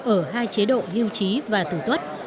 ở hai chế độ hiêu trí và tử tuất